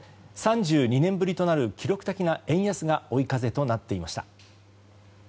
３２年ぶりとなる記録的な円安が追い風となっていました。